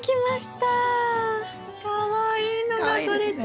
かわいいのがとれた。